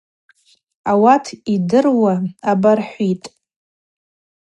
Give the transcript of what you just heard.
Ауат йырдыруа абархӏвитӏ.